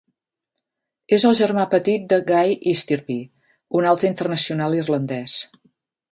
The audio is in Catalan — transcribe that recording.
És el germà petit de Guy Easterby, un altre internacional irlandès.